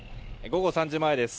午後３時前です。